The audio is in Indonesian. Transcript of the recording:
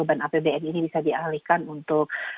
beban apbn ini bisa dialihkan untuk